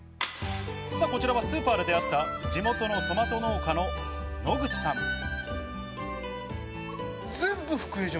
さあ、こちらはスーパーで出会った地元のトマト農家の野口さん。